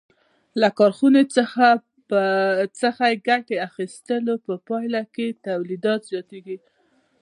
له کارخانو څخه د ګټې اخیستنې په پایله کې تولیدات زیاتېږي